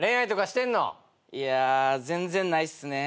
いや全然ないっすね。